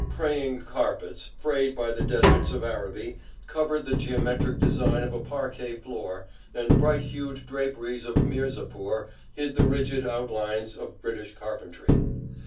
Praying carpets, frayed by the deserts of Araby, covered the geometric design of a parquet floor, and bright hued draperies of Mirzapur hid the rigid outlines of British carpentry.